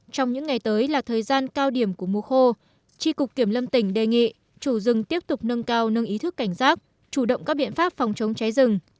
trong những ngày tới là thời gian cao điểm của mùa khô tri cục kiểm lâm tỉnh đề nghị chủ rừng tiếp tục nâng cao nâng ý thức cảnh giác chủ động các biện pháp phòng chống cháy rừng